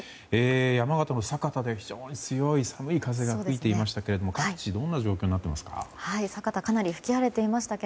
山形の酒田で非常に強い、寒い風が吹いていましたけれども、各地どんな状況になっていますか？